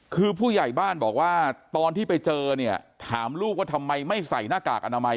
คือผู้ใหญ่บ้านบอกว่าตอนที่ไปเจอเนี่ยถามลูกว่าทำไมไม่ใส่หน้ากากอนามัย